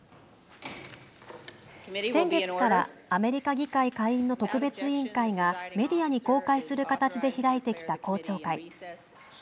先月から、アメリカ議会下院の特別委員会がメディアに公開する形で開いてきた公聴会。